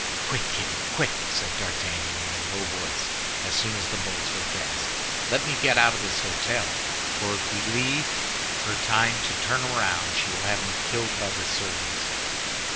"Quick, Kitty, quick!" said D'Artagnan, in a low voice, as soon as the bolts were fast, "let me get out of the hôtel; for if we leave her time to turn round, she will have me killed by the servants."